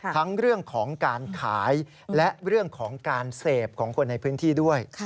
ทั้งเรื่องของการขายและเรื่องของการเสพของคนในพื้นที่ด้วย